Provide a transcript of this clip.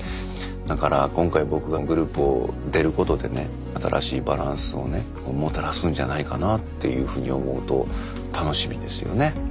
だから今回僕がグループを出ることでね新しいバランスをもたらすんじゃないかっていうふうに思うと楽しみですよね。